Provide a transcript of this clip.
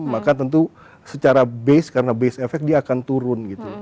maka tentu secara base karena based efek dia akan turun gitu